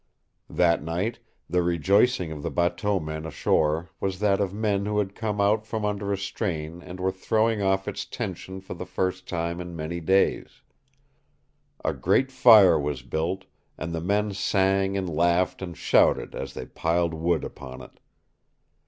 That night the rejoicing of the bateau men ashore was that of men who had come out from under a strain and were throwing off its tension for the first time in many days. A great fire was built, and the men sang and laughed and shouted as they piled wood upon it.